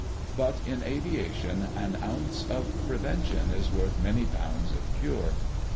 But in aviation, an ounce of prevention is worth many pounds of cure.